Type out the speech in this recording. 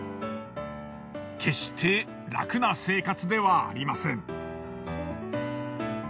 決して楽な生活ではありません。